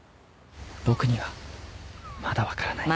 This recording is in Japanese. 僕にはまだわからない